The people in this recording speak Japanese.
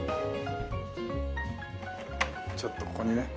ちょっとここにね。